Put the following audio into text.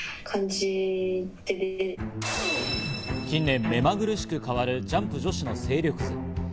近年、目まぐるしく変わるジャンプ女子の勢力図。